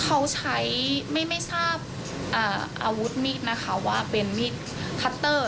เขาใช้ไม่ทราบอาวุธมีดนะคะว่าเป็นมีดคัตเตอร์